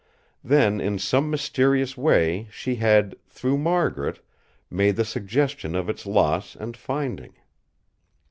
Then in some mysterious way she had, through Margaret, made the suggestion of its loss and finding.